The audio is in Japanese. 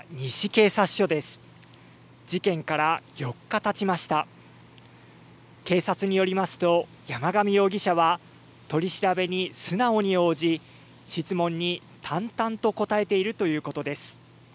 警察によりますと、山上容疑者は取り調べに素直に応じ、質問に淡々と答えているということです。